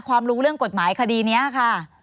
รู้เรื่องกฎหมายคดีนี้ค่ะ